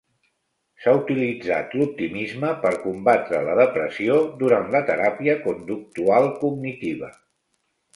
S'ha utilitzat l'optimisme per combatre la depressió durant la teràpia conductual cognitiva.